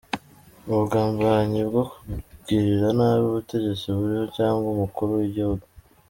– Ubugambanyi bwo kugirira nabi Ubutegetsi buriho cyangwa umukuru w’igihugu,